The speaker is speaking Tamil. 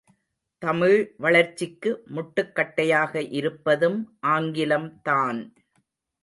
தமிழ் வளர்ச்சிக்கு முட்டுக் கட்டையாக இருப்பதும் ஆங்கிலம் தான்!